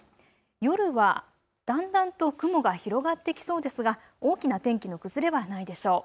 夜はだんだんと雲が広がってきそうですが大きな天気の崩れはないでしょう。